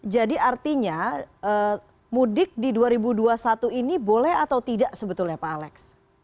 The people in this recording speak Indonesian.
jadi artinya mudik di dua ribu dua puluh satu ini boleh atau tidak sebetulnya pak alex